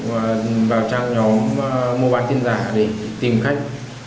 và vào trang nhóm mua bán tiền giả để tìm khách